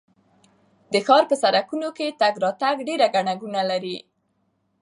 د ښار په سړکونو کې تګ راتګ ډېر ګڼه ګوڼه لري.